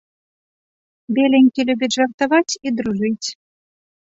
Беленькі любіць жартаваць і дружыць.